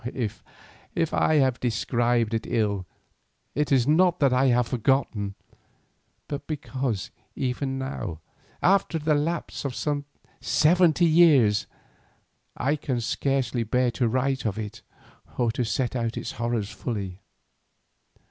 If I have described it ill, it is not that I have forgotten, but because even now, after the lapse of some seventy years, I can scarcely bear to write of it or to set out its horrors fully.